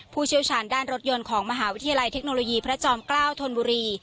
เชี่ยวชาญด้านรถยนต์ของมหาวิทยาลัยเทคโนโลยีพระจอมเกล้าธนบุรี